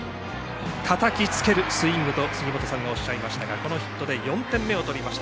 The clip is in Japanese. たたきつけるスイングと杉本さんがおっしゃっていましたがこのヒットで４点目を取りました。